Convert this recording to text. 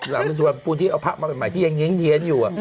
หลังจากสุวรรณภูมิที่เอาพระมาเป็นใหม่ที่ยังเย็นอยู่